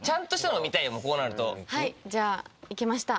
はいじゃあいけました。